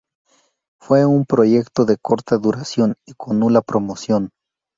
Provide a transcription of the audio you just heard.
Fue un proyecto de corta duración y con nula promoción.